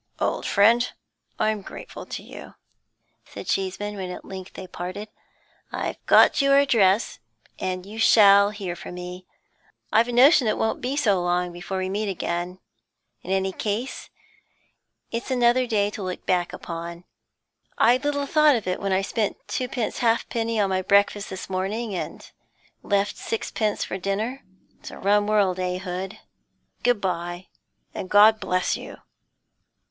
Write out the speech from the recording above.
'Old friend, I'm grateful to you,' said Cheeseman, when at length they parted. 'I've got your address, and you shall hear from me; I've a notion it won't be so long before we meet again. In any case it's another day to look back upon; I little thought of it when I spent twopence halfpenny on my breakfast this morning and left sixpence for dinner. It's a rum world, eh, Hood? Good bye, and God bless you!'